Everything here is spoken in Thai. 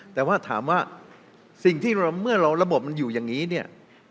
แต่ว่าถามว่าสิ่งที่เมื่อเราระบบมันอยู่อย่างนี้เนี่ย